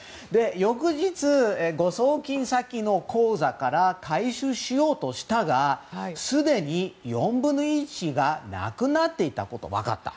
翌日、誤送金先の口座から回収しようとしたがすでに、４分の１がなくなっていたことが分かった。